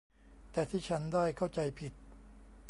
แต่ที่ฉันได้เข้าใจผิด